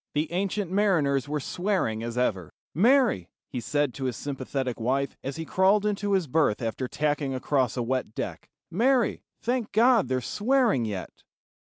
The ancient mariners were swearing as ever. "Mary," he said to his sympathetic wife, as he crawled into his berth after tacking across a wet deck, "Mary, thank God they're swearing yet."